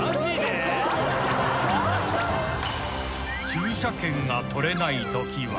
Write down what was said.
［駐車券が取れないときは］